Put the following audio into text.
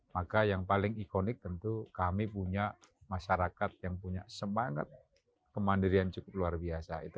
maka yang paling ikonik tentu kami punya masyarakat yang punya semangat kemandirian cukup luar biasa